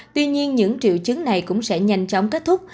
tuy nhiên những triệu chứng này cũng sẽ nhanh chóng kết thúc